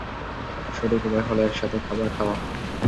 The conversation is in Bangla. সঠিক উপায় হল একসাথে খাবার খাওয়া।